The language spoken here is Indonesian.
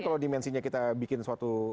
kalau dimensinya kita bikin suatu